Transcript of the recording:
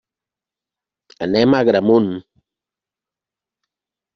Anem a Agramunt.